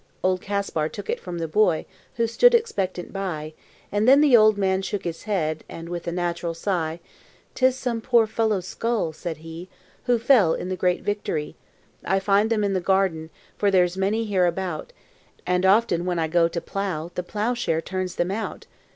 Old Kaspar took it from the boy, Who stood expectant by: And then the old man shook his head, And, with a natural sigh, "'Tis some poor fellow's skull," said he, "Who fell in the great victory. "I find them in the garden, For there's many here about; And often when I go to plough, The ploughshare turns them out!